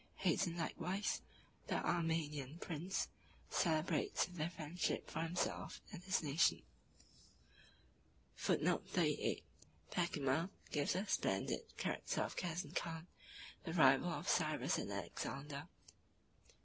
Hayton likewise, the Armenian prince, celebrates their friendship for himself and his nation.] 38 (return) [ Pachymer gives a splendid character of Cazan Khan, the rival of Cyrus and Alexander, (l.